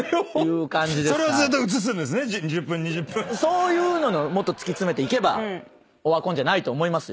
そういうのをもっと突き詰めていけばオワコンじゃないと思います。